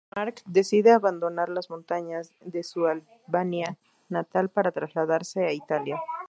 Mark decide abandonar las montañas de su Albania natal para trasladarse a Italia.